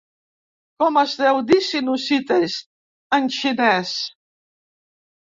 ¿Com es deu dir "sinusitis", en xinès?